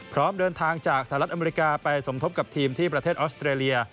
พร้อมเดินทางจากสหรัฐอเมริกาไปสมทบกับทีมที่ประเทศออสเตรเลีย